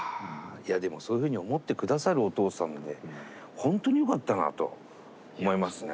いやでもそういうふうに思って下さるお父さんでほんとによかったなと思いますね。